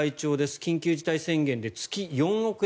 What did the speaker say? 緊急事態宣言で月４億円